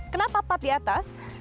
kenapa put di atas